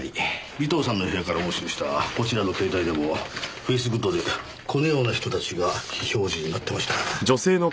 尾藤さんの部屋から押収したこちらの携帯でもフェイスグッドでこのような人たちが非表示になってました。